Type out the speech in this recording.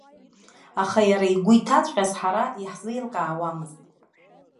Аха иара игәы иҭаҵәҟьаз ҳара иаҳзеилкаауамызт.